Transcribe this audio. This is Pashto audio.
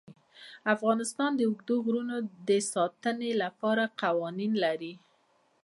افغانستان د اوږده غرونه د ساتنې لپاره قوانین لري.